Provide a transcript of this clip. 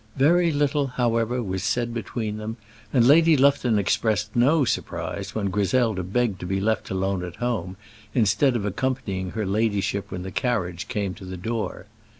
Very little, however, was said between them, and Lady Lufton expressed no surprise when Griselda begged to be left alone at home, instead of accompanying her ladyship when the carriage came to the door.